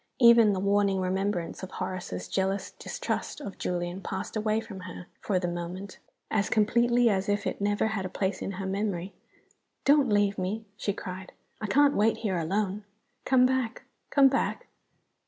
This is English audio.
Even the warning remembrance of Horace's jealous distrust of Julian passed away from her, for the moment, as completely as if it never had a place in her memory. "Don't leave me!" she cried. "I can't wait here alone. Come back come back!"